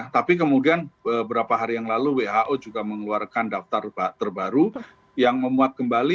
tapi kemudian beberapa hari yang lalu who juga mengeluarkan daftar terbaru yang memuat kembali